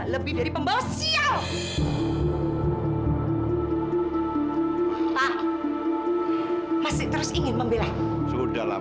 kenapa saya card banget malapetaka